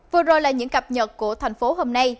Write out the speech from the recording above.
vừa rồi là những cập nhật của thành phố hôm nay